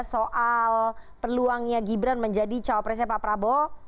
soal peluangnya gibran menjadi cowok presnya pak prabowo